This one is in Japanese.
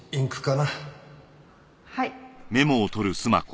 はい。